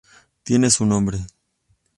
Tienen su nombre.